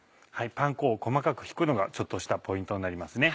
パン粉を細かくひくのがちょっとしたポイントになりますね。